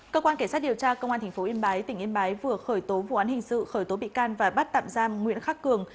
cơ quan cảnh sát điều tra công an tp yên bái tỉnh yên bái vừa khởi tố vụ án hình sự khởi tố bị can và bắt tạm giam nguyễn khắc cường